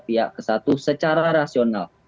pihak kesatu secara rasional